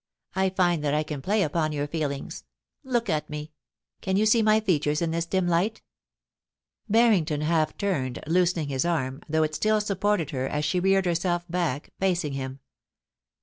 I find that I can play upon your feelings. Look at me. Can you see my features in this dim light ?* Barrington half turned, loosening his arm, though it still supported her, as she reared herself back, facing him.